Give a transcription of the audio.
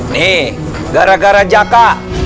nih gara gara jaka